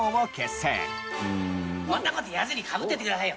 そんな事言わずにかぶっていってくださいよ。